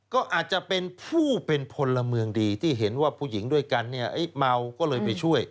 ก็อาจจะเป็นผู้เป็นพลเมืองดีที่เห็นว่าผู้หญิงด้วยกันเนี่ยเมาก็เลยไปช่วย